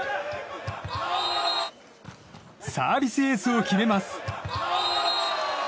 サービスエースを決めます。